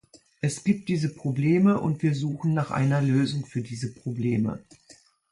Es gibt diese Probleme, und wir suchen nach einer Lösung für diese Probleme.